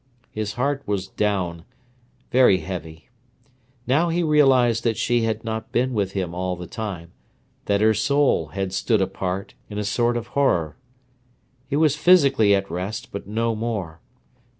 His heart was down, very heavy. Now he realised that she had not been with him all the time, that her soul had stood apart, in a sort of horror. He was physically at rest, but no more.